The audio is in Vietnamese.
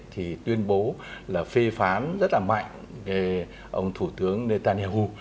thì tuyên bố là phi phán rất là mạnh ông thủ tướng netanyahu